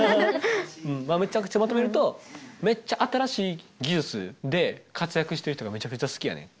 まあめちゃくちゃまとめるとめっちゃ新しい技術で活躍してる人がめちゃくちゃ好きやねん。